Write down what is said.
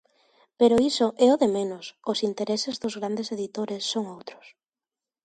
Pero iso é o de menos, os intereses dos grandes editores son outros.